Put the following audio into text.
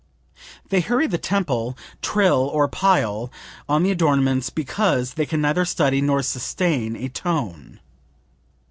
"They hurry the tempo, trill or pile on the adornments because they can neither study nor sustain a tone."